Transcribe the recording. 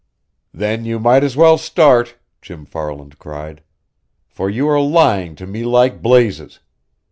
"Then you might as well start!" Jim Farland cried. "For you are lying to me like blazes!